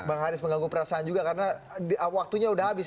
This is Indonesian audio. bang haris mengganggu perasaan juga karena waktunya sudah habis